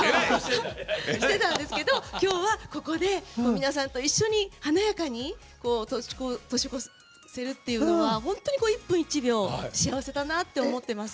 今日は、ここで皆さんと一緒に華やかに年を越せるというのは本当に１分１秒幸せだなと思ってます。